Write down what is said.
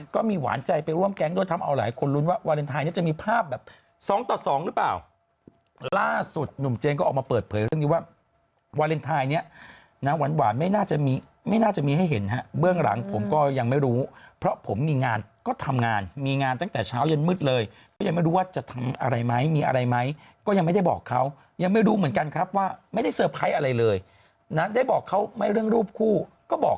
คุณแม่ว่าพี่โดมเมนทำไมคุณแม่ว่าพี่โดมเมนทำไมคุณแม่ว่าพี่โดมเมนทำไมคุณแม่ว่าพี่โดมเมนทำไมคุณแม่ว่าพี่โดมเมนทำไมคุณแม่ว่าพี่โดมเมนทำไมคุณแม่ว่าพี่โดมเมนทำไมคุณแม่ว่าพี่โดมเมนทำไมคุณแม่ว่าพี่โดมเมนทำไมคุณแม่ว่าพี่โดมเมนทำไมคุณแม่ว่าพี่โดมเมนทำไมค